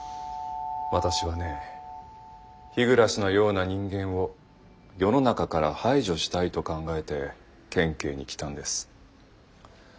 私はね日暮のような人間を世の中から排除したいと考えて県警に来たんです。